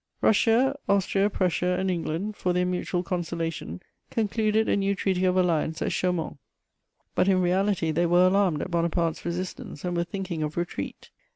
Russia, Austria, Prussia and England, for their mutual consolation, concluded a new treaty of alliance at Chaumont; but in reality they were alarmed at Bonaparte's resistance and were thinking of retreat.